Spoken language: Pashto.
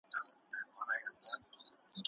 بيا غوټه په وجود راتلای سي.